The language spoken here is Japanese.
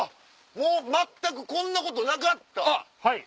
もう全くこんなことなかった。